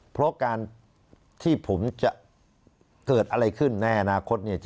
เพราะการที่ผมจะเกิดอะไรขึ้นในอนาคต